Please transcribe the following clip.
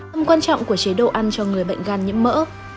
tầm quan trọng của chế độ ăn cho người bệnh gan nhiễm mỡ